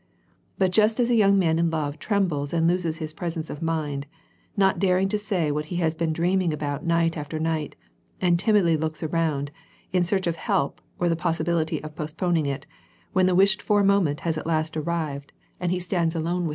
But just as a young man in love trembles and loses his presence of mind, not daring to say what he has been dream ing about night after night, and timidly looks around, in search of help or the possibility of postponing it, when the wished for moment has at last arrived and he stands alone 362 WAR AND PEACE.